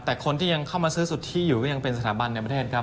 แต่คนที่ยังเข้ามาซื้อสุทธิอยู่ก็ยังเป็นสถาบันในประเทศครับ